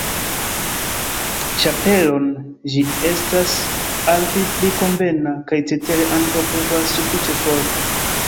ĉapelon, ĝi estas al vi pli konvena, kaj cetere ankaŭ pluvas sufiĉe forte.